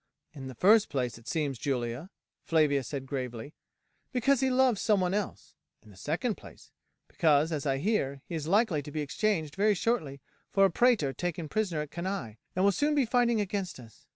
"In the first place, it seems, Julia," Flavia said gravely, "because he loves someone else. In the second place, because, as I hear, he is likely to be exchanged very shortly for a praetor taken prisoner at Cannae, and will soon be fighting against us.